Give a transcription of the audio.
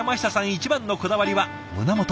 一番のこだわりは胸元。